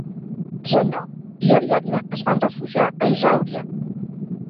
Zenó i Ariadna es van refugiar a Isàuria.